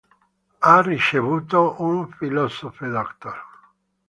Ha ricevuto un Ph.